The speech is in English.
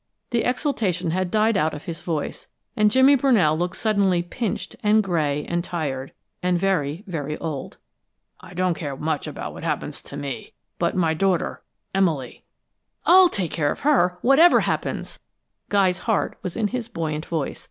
The exultation had died out of his voice, and Jimmy Brunell looked suddenly pinched and gray and tired, and very, very old. "I don't care much what happens to me, but my daughter Emily " "I'll take care of her, whatever happens!" Guy's heart was in his buoyant voice.